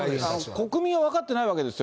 国民は分かってないわけですよ。